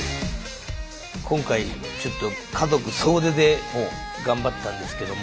今回ちょっと家族総出で頑張ったんですけども。